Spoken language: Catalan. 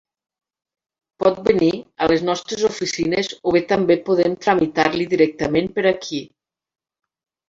Pot venir a les nostres oficines o bé també podem tramitar-li directament per aquí.